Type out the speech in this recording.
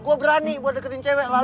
gua berani buat deketin cewek lah